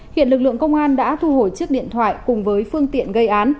hiện lực lượng công an đã thu hồi chiếc điện thoại cùng với phương tiện gây án